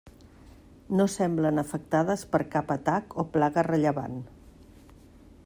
No semblen afectades per cap atac o plaga rellevant.